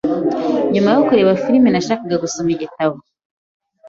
Nyuma yo kureba firime, nashakaga gusoma igitabo.